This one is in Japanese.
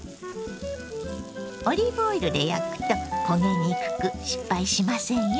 オリーブオイルで焼くと焦げにくく失敗しませんよ。